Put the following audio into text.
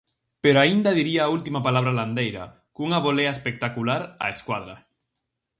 Pero aínda diría a última palabra Landeira, cunha volea espectacular á escuadra.